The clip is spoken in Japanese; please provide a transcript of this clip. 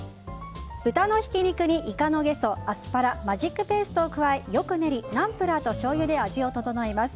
豚のひき肉にイカのゲソ、アスパラマジックペーストを加えよく練りナンプラーとしょうゆで味を調えます。